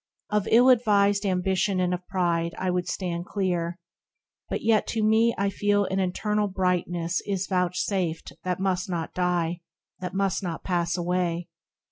Of ill advised Ambition and of Pride I would stand clear, but yet to me I feel That an internal brightness is vouchsafed That must not die, that must not pass away.